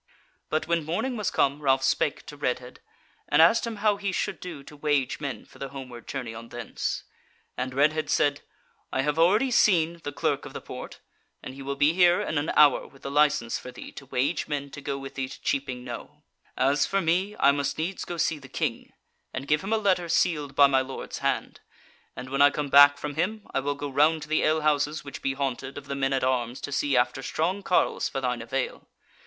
But when morning was come Ralph spake to Redhead and asked him how he should do to wage men for the homeward journey on thence; and Redhead said: "I have already seen the Clerk of the Porte, and he will be here in an hour with the license for thee to wage men to go with thee to Cheaping Knowe. As for me, I must needs go see the King, and give him a letter sealed by my lord's hand; and when I come back from him, I will go round to the alehouses which be haunted of the men at arms to see after strong carles for thine avail.